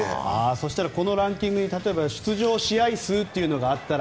そうしたらこのランキングに出場試合数というのがあったら。